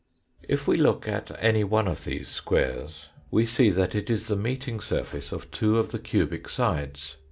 If we look at any one of these squares we see that it is the meeting surface of two of the cubic sides.